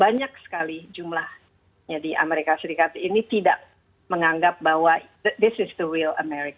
banyak sekali jumlahnya di amerika serikat ini tidak menganggap bahwa ini adalah amerika yang benar